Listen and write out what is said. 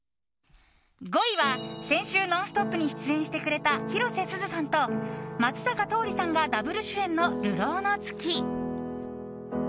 ５位は先週「ノンストップ！」に出演してくれた広瀬すずさんと松坂桃李さんがダブル主演の「流浪の月」。